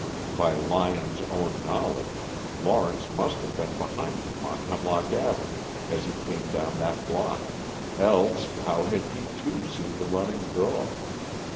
By Lyon's own knowledge, Lawrence must have been behind him on Hemlock Avenue as he came down that block, else how had he, too, seen the running girl?